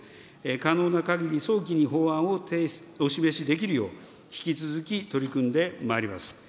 可能なかぎり、早期に法案をお示しできるよう、引き続き取り組んでまいります。